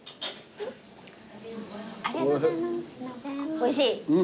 おいしい？